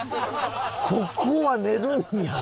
ここは寝るんや。